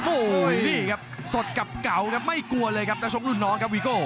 โอ้โหนี่ครับสดกับเก่าครับไม่กลัวเลยครับนักชกรุ่นน้องครับวีโก้